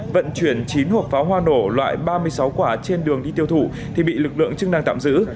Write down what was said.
vận chuyển chín hộp pháo hoa nổ loại ba mươi sáu quả trên đường đi tiêu thụ thì bị lực lượng chức năng tạm giữ